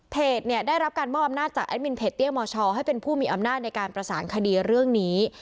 ได้รับการมอบอำนาจจากแอดมินเพจเตี้ยมชให้เป็นผู้มีอำนาจในการประสานคดีเรื่องนี้